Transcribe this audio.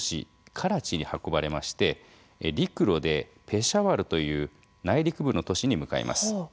カラチに運ばれまして陸路でペシャワルという内陸部の都市に向かいます。